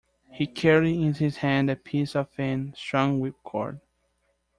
He carried in his hand a piece of thin, strong whipcord.